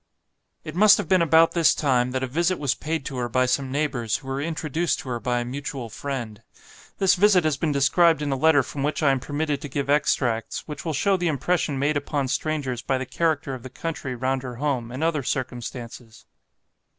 '" It must have been about this time that a visit was paid to her by some neighbours, who were introduced to her by a mutual friend. This visit has been described in a letter from which I am permitted to give extracts, which will show the impression made upon strangers by the character of the country round her home, and other circumstances.